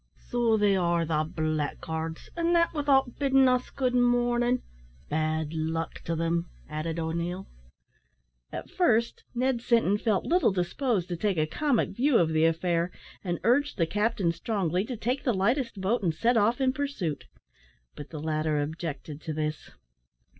"So they are, the blackguards; an' that without biddin' us good mornin', bad luck to them," added O'Neil. At first, Ned Sinton felt little disposed to take a comic view of the affair, and urged the captain strongly to take the lightest boat and set off in pursuit; but the latter objected to this.